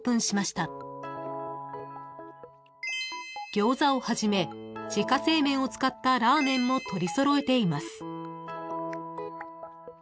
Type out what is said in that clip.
［餃子をはじめ自家製麺を使ったラーメンも取り揃えています］